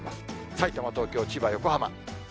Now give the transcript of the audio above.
さいたま、東京、千葉、横浜。